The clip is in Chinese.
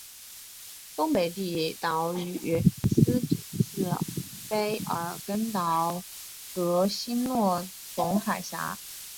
东北地岛与斯匹次卑尔根岛隔欣洛彭海峡。